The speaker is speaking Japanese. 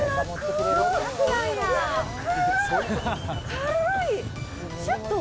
軽い。